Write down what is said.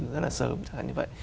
rất là sớm chẳng hạn như vậy